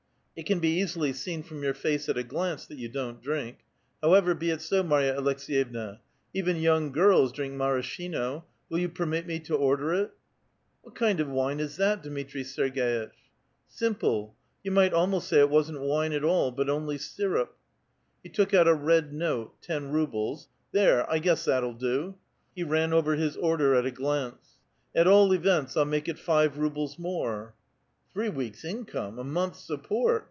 ''It can be easily seen from your face at a glance that you don't drink. However, be it so, Marya Aleks6yevna ; even young girls drink maraschino; will you permit me to order it ?"" What kind of wine is that Dmitri Sei^^itch?" " Simple ; you might almost say it wasn't wine at all, but only syrup." He took out a 'Ted note" (ten rubles). " There, 1 guess that'll do !" He ran over his order at a glance. " At all events, I'll make it five rubles more." ("Three weeks' income, a month's support!